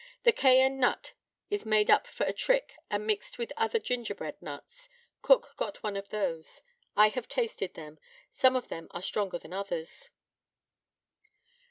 The cayenne nut is made up for a trick and mixed with other gingerbread nuts. Cook got one of those. I have tasted them. Some of them are stronger than others.